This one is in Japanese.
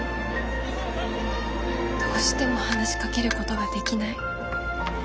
どうしても話しかけることができない。